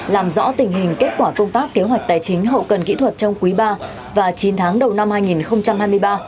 làm rõ tình hình kết quả công tác kế hoạch tài chính hậu cần kỹ thuật trong quý ba và chín tháng đầu năm hai nghìn hai mươi ba